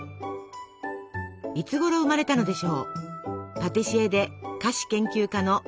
いつごろ生まれたのでしょう？